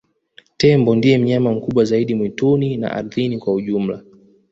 tembo ndiye mnyama mkubwa zaidi mwituni na ardini kwa ujumla